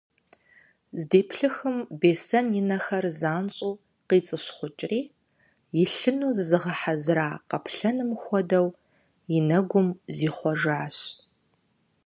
Здеплъыхым Беслъэн и нэхэр занщӏэу къицӏыщхъукӏри, илъыну зызыгъэхьэзыра къаплъэным хуэдэу, и нэгум зихъуэжащ.